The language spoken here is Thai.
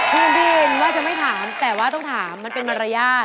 พี่อินว่าจะไม่ถามแต่ว่าต้องถามมันเป็นมารยาท